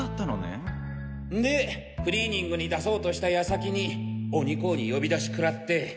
んでクリーニングに出そうとした矢先に鬼公に呼び出しくらって。